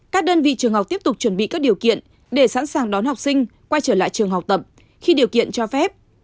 các đơn vị trường học tiếp tục chuẩn bị các điều kiện để sẵn sàng đón học sinh quay trở lại trường học tập khi điều kiện cho phép